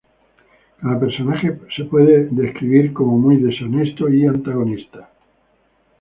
Cada personaje puede ser descrito como muy deshonesto y antagonista.